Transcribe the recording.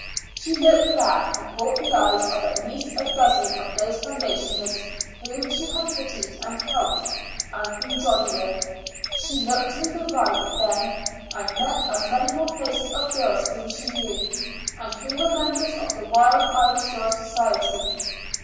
She looked back, and caught the eyes of at least a dozen of those foundationers whom she had pitied and helped and been jolly with. She looked to the right then, and met as many more faces of girls whom she knew, and who were members of the Wild Irish Girls' Society.